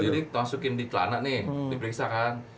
jadi masukin di celana nih di periksa kan